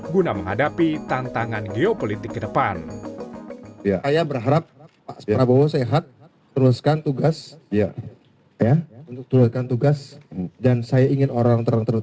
guna menghadapi tantangan geopolitik ke depan